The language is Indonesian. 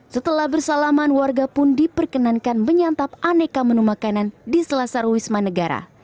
setelah bersalaman warga pun diperkenankan menyantap aneka menu makanan di selasar wisma negara